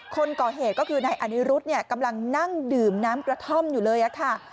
คนก่อเหตุก็คือนายอนิรุธเนี่ยกำลังนั่งดื่มน้ำกระท่อมอยู่เลยค่ะ